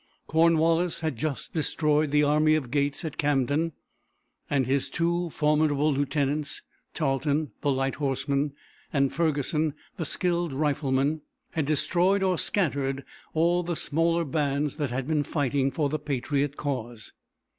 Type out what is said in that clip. Cornwallis had just destroyed the army of Gates at Camden, and his two formidable lieutenants, Tarlton the light horseman, and Ferguson the skilled rifleman, had destroyed or scattered all the smaller bands that had been fighting for the patriot cause.